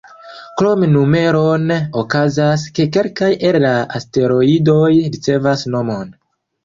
Krom numeron, okazas, ke kelkaj el la asteroidoj ricevas nomon.